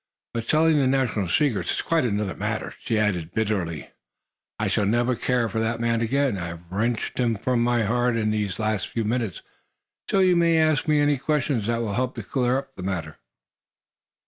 But selling the national secrets is quite another matter," she added, bitterly. "I shall never care for the man again. I have wrenched him from my heart in these last few minutes. So you may ask me any questions that will help to clear up the matter."